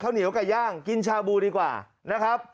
เหนียวไก่ย่างกินชาบูดีกว่านะครับ